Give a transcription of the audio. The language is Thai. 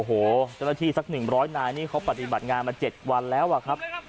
โอ้โหเจ้าหน้าที่สักหนึ่งร้อยนายนี่เขาปฏิบัติงานมาเจ็ดวันแล้วอ่ะครับ